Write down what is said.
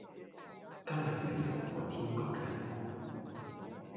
今日你同我天各一方